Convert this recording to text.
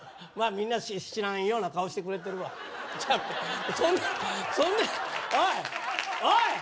みんな知らんような顔してくれてるわじゃなくてそんなおいおい！